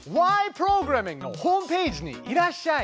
プログラミング」のホームページにいらっしゃい！